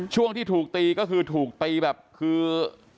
ช่วงที่ถูกตีก็คือถูกตีแบบคือ